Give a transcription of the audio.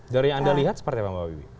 dari yang anda lihat seperti apa mbak wiwi